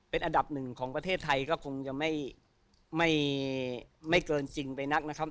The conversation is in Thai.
เป็นอันดับหนึ่งของประเทศไทยก็คงจะไม่เกินจริงไปนักนะครับ